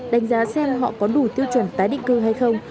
đánh giá xem họ có đủ tiêu chuẩn tái định cư hay không